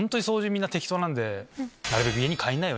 みんな適当なんで。